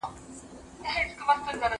مړی چي خداى شرموي، پر تخته گوز واچوي.